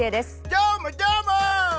どーも、どーも！